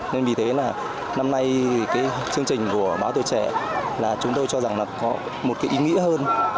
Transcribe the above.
nên vì thế là năm nay cái chương trình của báo tuổi trẻ là chúng tôi cho rằng là có một cái ý nghĩa hơn